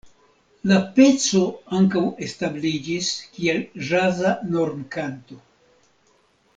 La peco ankaŭ establiĝis kiel ĵaza normkanto.